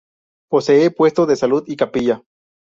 Posee puesto de salud y capilla.